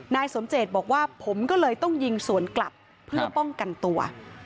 นายสมเจตบอกว่าผมก็เลยต้องยิงสวนกลับเพื่อป้องกันตัว